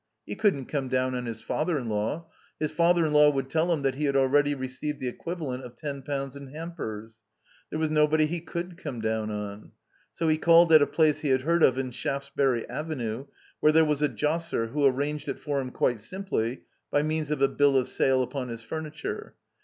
He couldn't come down on his father in law. His father in law would tell him that he had already received the equivalent of ten pounds in hampers. There was nobody he could come down on. So he called at a place he had heard of in Shaftesbury Avenue, where there was a '*josser'* who arranged it for him quite simply by means of a bill of sale upon his furniture.